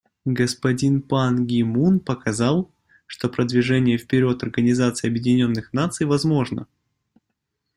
Господин Пан Ги Мун показал, что продвижение вперед Организации Объединенных Наций возможно.